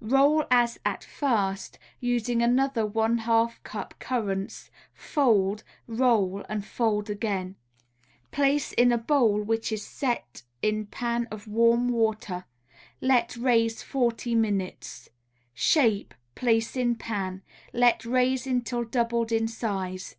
Roll as at first, using another one half cup currants, fold, roll and fold again. Place in a bowl which is set in pan of warm water, let raise forty minutes. Shape, place in pan, let raise until doubled in size.